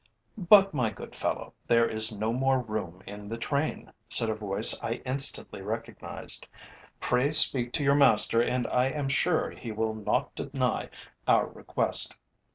"But, my good fellow, there is no more room in the train," said a voice I instantly recognised. "Pray speak to your master and I am sure he will not deny our request."